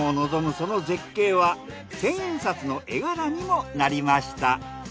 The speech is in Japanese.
その絶景は千円札の絵柄にもなりました。